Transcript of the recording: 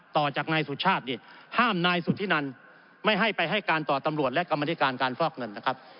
ต่อจากนายสุชาตินี่ห้ามนายสุธินันไม่ให้ไปให้การต่อตำรวจและกรรมธิการการฟอกเงินนะครับ